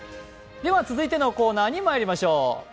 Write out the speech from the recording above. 続いてのコーナーにまいりましょう。